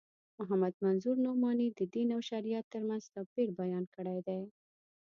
محمد منظور نعماني د دین او شریعت تر منځ توپیر بیان کړی دی.